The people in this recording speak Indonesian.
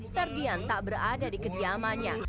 ferdian tak berada di kediamannya